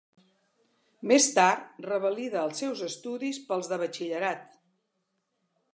Més tard revalida els seus estudis pels de batxillerat.